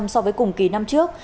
so với cùng kỳ năm trước